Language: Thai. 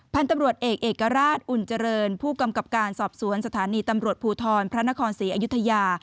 พันธุ์ตำรวจเอกเอกราชอุ่นเจริญผู้กำกับการสอบสวนสถานีตำรวจภูทรพระนครศรีอยุธยา